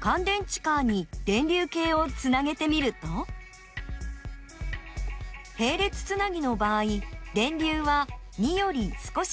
かん電池カーに電流計をつなげてみるとへい列つなぎの場合電流は２より少し小さくなっています。